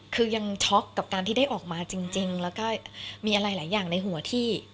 คือยังช็อกกับการที่ได้ออกมาจริงแล้วก็มีอะไรหลายอย่างในหัวที่